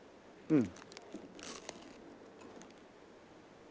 うん。